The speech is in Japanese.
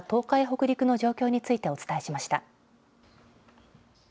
名古屋局から東海北陸の状況についてお伝えしました。